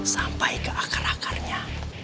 sampai ke akar akarnya